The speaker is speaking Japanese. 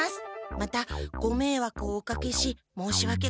またごめいわくをおかけし申しわけございません。